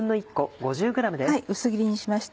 薄切りにしました。